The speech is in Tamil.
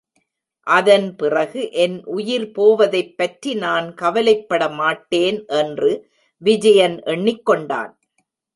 அதன் பிறகு என் உயிர் போவதைப்பற்றி நான் கவலைப்பட மாட்டேன் என்று விஜயன் எண்ணிக் கொண்டான்.